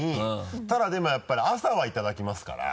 ただでもやっぱり朝はいただきますから。